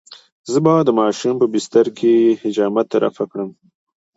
زه به د ماشوم په بستره کې حاجت رفع کړم.